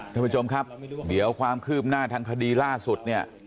ท่านผู้ชมครับเดี๋ยวความคืบหน้าทางคดีล่าสุดเนี่ย